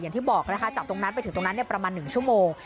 อย่างที่บอกนะคะจากตรงนั้นไปถึงตรงนั้นประมาณ๑ชั่วโมง